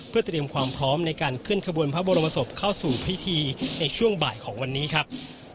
เพื่อเตรียมความพร้อมในการเคลื่อนขบวนพระบรมศพเข้าสู่พิธีในช่วงบ่ายของวันนี้ครับ